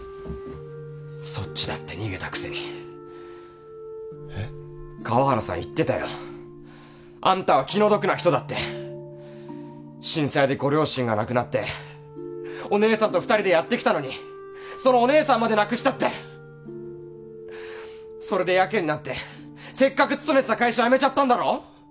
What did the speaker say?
そっちだって逃げたくせにえっ川原さん言ってたよあんたは気の毒な人だって震災でご両親が亡くなってお姉さんと２人でやってきたのにそのお姉さんまで亡くしたってそれでやけになってせっかく勤めてた会社辞めちゃったんだろ？